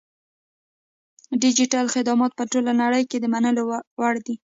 ډیجیټل خدمات په ټوله نړۍ کې د منلو وړ دي.